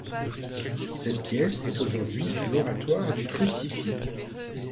Cette pièce est aujourd’hui l’Oratoire du Crucifix.